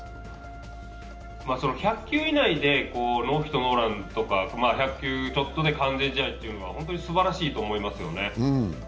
１００球以内でノーヒットノーランとか１００球ちょっとで完全試合というのは本当にすばらしいと思いますよね。